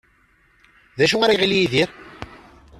D acu ay iɣil Yidir?